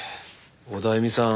オダエミさん